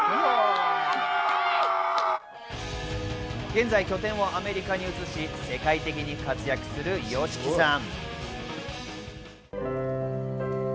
現在、拠点をアメリカに移し、世界的に活躍するＹＯＳＨＩＫＩさん。